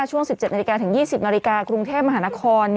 ช่วง๑๗นถึง๒๐นกรุงเทพมหานคร